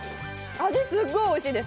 味、すごくおいしいです。